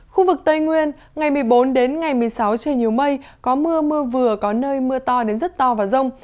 khu vực tây nguyên ngày một mươi bốn đến ngày một mươi sáu trời nhiều mây có mưa mưa vừa có nơi mưa to đến rất to và rông